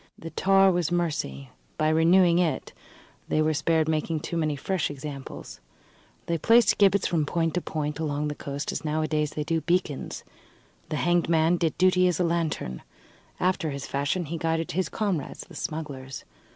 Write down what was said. The tar was mercy: by renewing it they were spared making too many fresh examples. They placed gibbets from point to point along the coast, as nowadays they do beacons. The hanged man did duty as a lantern. After his fashion, he guided his comrades, the smugglers.